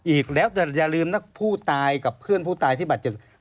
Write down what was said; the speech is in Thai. อีกแล้วแต่อย่าลืมนะผู้ตายกับเพื่อนผู้ตายที่บาดเจ็บ